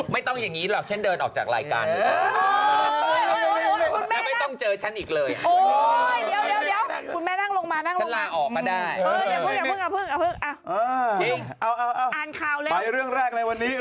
อย่างนี้หรอกฉันเดินออกจากรายการ